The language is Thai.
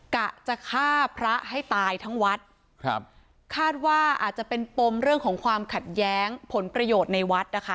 กะจะฆ่าพระให้ตายทั้งวัดครับคาดว่าอาจจะเป็นปมเรื่องของความขัดแย้งผลประโยชน์ในวัดนะคะ